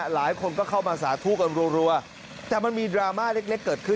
หลายคนก็เข้ามาสาธุกันรัวแต่มันมีดราม่าเล็กเกิดขึ้น